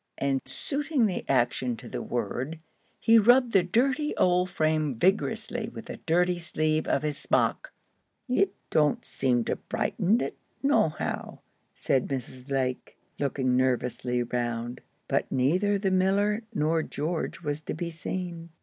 and, suiting the action to the word, he rubbed the dirty old frame vigorously with the dirty sleeve of his smock. "It don't seem to brighten it, nohow," said Mrs. Lake, looking nervously round; but neither the miller nor George was to be seen.